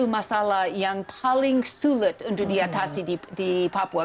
masalah yang paling sulit untuk diatasi di papua